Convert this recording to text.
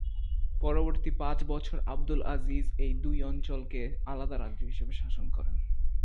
পরবর্তী পাঁচ বছর আবদুল আজিজ এই দুই অঞ্চলকে আলাদা রাজ্য হিসেবে শাসন করেন।